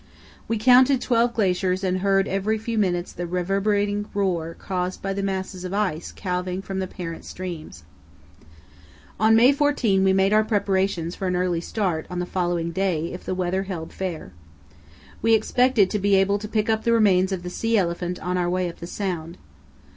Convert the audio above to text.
We counted twelve glaciers and heard every few minutes the reverberating roar caused by masses of ice calving from the parent streams. On May 14 we made our preparations for an early start on the following day if the weather held fair. We expected to be able to pick up the remains of the sea elephant on our way up the sound.